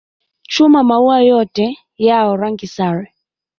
Chuma maua yote yao rangi sare.